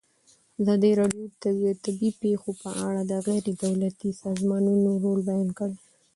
ازادي راډیو د طبیعي پېښې په اړه د غیر دولتي سازمانونو رول بیان کړی.